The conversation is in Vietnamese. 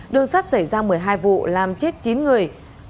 đường sắt xảy ra một mươi hai vụ làm chết chín người